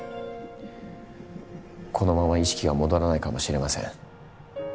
このまま意識が戻らないかもしれません。